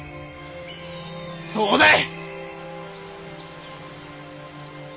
そうだい！